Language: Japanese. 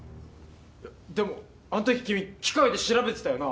いやでもあのとき君機械で調べてたよな。